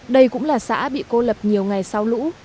đây cũng là xã bị cô lập nhiều ngày sau lũ